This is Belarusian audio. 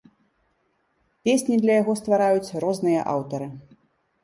Песні для яго ствараюць розныя аўтары.